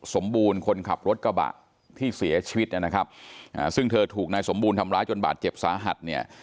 สมบูรณ์คนขับรถกระบะที่เสียชีวิตนะครับอ่าซึ่งเธอถูกนายสมบูรณ์ทำร้ายจนบาดเจ็บสาหัสเนี่ย